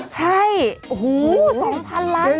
ใช่โอ้โห๒พันล้านครั้ง